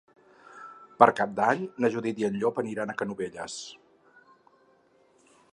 Per Cap d'Any na Judit i en Llop aniran a Canovelles.